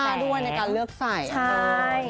เสื้อผ้าด้วยในการเลือกใส่